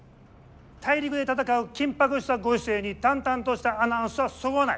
大陸で戦う緊迫したご時世に淡々としたアナウンスはそぐわない。